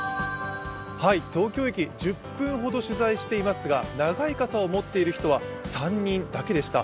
東京駅、１０分ほど取材していますが、長い傘を持っている人は３人だけでした。